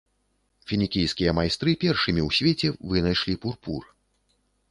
Фінікійскія майстры першымі ў свеце вынайшлі пурпур.